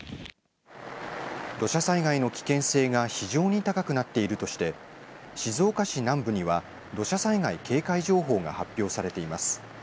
土砂災害の危険性が非常に高くなっているとして静岡市南部には土砂災害警戒情報が発表されています。